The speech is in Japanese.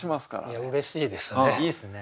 いやうれしいですね。